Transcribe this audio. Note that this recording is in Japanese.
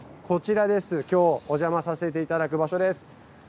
こちらです今日おじゃまさせていただく場所です。